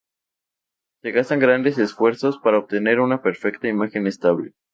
Se gasta grandes esfuerzos para obtener una perfecta imagen estable.